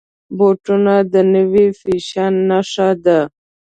بوټونه د نوي فیشن نښه ده.